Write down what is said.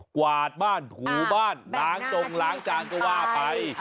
กวาดบ้านถูบ้านล้างจงล้างจานก็ว่าไป